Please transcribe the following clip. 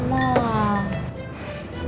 gue nggak mungkin sedih